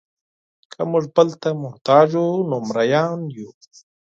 که موږ بل ته محتاج وو نو غلامان یو.